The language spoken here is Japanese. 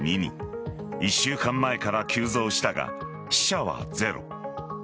１週間前から急増したが死者はゼロ。